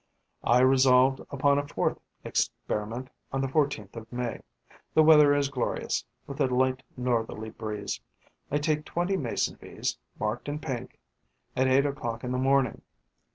I resolved upon a fourth experiment, on the 14th of May. The weather is glorious, with a light northerly breeze. I take twenty Mason bees, marked in pink, at eight o'clock in the morning.